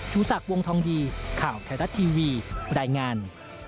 ชูศักดิ์วงทองดีข่าวไทยรัฐทีวีรายงาน